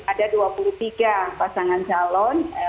ada dua puluh tiga pasangan calon